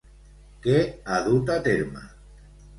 Què ha dut a terme?